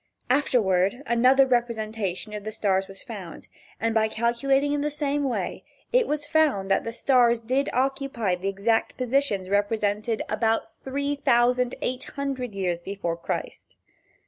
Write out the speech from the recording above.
Afterward another representation of the stars was found, and by calculating in the same way, it was found that the stars did occupy the exact positions represented about three thousand eight hundred years before Christ.